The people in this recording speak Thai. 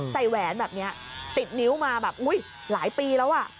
ใส่แหวนแบบนี้ติดนิ้วมาหลายปีแล้ว